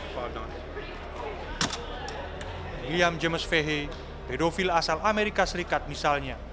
william james fahey pedofil asal amerika serikat misalnya